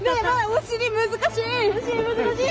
お尻難しい。